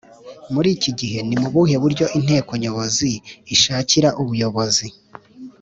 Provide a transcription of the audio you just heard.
Muri iki gihe ni mu buhe buryo Inteko Nyobozi ishakira ubuyobozi